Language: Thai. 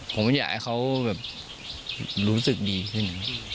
ผมอยากให้เขารู้สึกดีขึ้น